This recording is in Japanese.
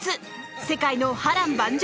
世界の波瀾万丈